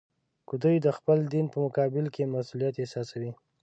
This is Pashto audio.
که دوی د خپل دین په مقابل کې مسوولیت احساسوي.